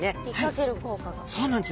そうなんですよ。